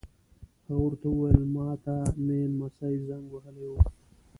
هغه ور ته وویل: ما ته مې نمسی زنګ وهلی و.